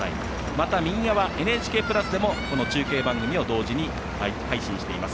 また、右側、ＮＨＫプラスでも中継番組を同時に配信しています。